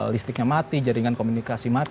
listriknya mati jaringan komunikasi mati